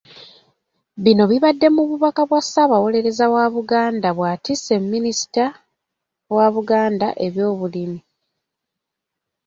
Bino bibadde mu bubaka bwa Ssaabawolereza wa Buganda bw'atisse Minisita wa Buganda ow'ebyobulimi.